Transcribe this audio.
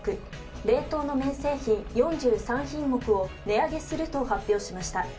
冷凍の麺製品４３品目を値上げすると発表しました。